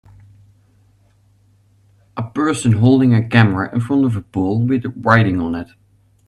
A person holding a camera in front of a pole with writing on it.